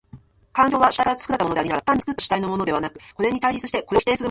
環境は主体から作られたものでありながら、単に作った主体のものではなく、これに対立しこれを否定するものである。